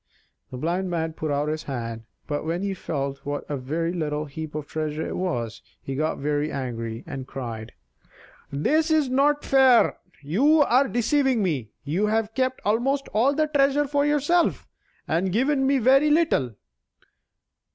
The Blind Man put out his hand, but when he felt what a very little heap of treasure it was, he got very angry, and cried: "This is not fair you are deceiving me; you have kept almost all the treasure for yourself and only given me a very little."